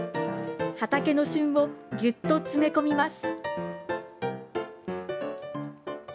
畑の旬を、ぎゅっと詰め込みます。